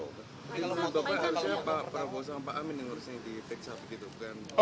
kalau bapak r s pak prabowo sama pak amin yang harusnya dipeksa begitu bukan